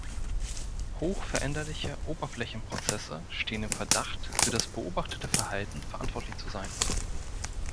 Hoch veränderliche Oberflächenprozesse stehen im Verdacht, für das beobachtete Verhalten verantwortlich zu sein.